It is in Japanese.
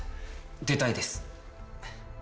出たいです。